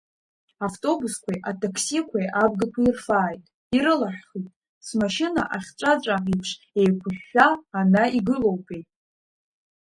Автобусқәеи атақсиқәеи абгақәа ирфааит, ирылаҳхи, смашьына ахьҵәаҵәа еиԥш еиқәышәшәа ана игылоупеи.